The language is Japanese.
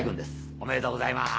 おめでとうございます。